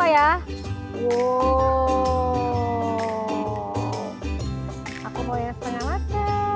aku mau yang setengah matek